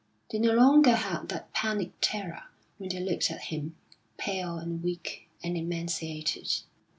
They no longer had that panic terror when they looked at him, pale and weak and emaciated.